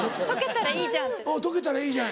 ・解けたらいいじゃん